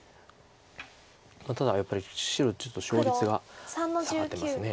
ただやっぱり白ちょっと勝率が下がってます。